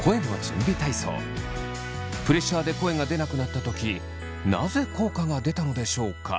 プレッシャーで声が出なくなったときなぜ効果が出たのでしょうか？